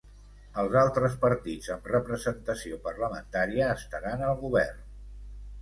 Els altres partits amb representació parlamentària estaran al govern.